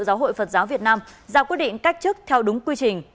giáo hội phật giáo việt nam ra quyết định cách chức theo đúng quy trình